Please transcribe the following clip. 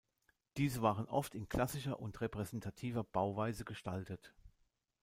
Diese waren oft in klassischer und repräsentativer Bauweise gestaltet.